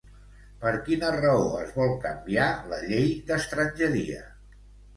Per quina raó es vol canviar la llei d'estrangeria?